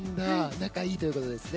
仲いいということですね。